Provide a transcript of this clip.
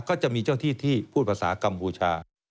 ก็จะมีเจ้าที่ที่พูดภาษากัมพูชา